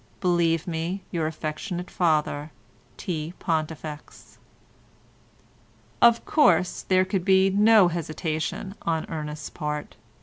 Believe me, Your affectionate father, T. PONTIFEX." Of course there could be no hesitation on Ernest's part.